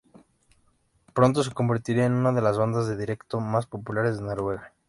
Pronto se convertirían en una de las bandas de directo más populares de Noruega.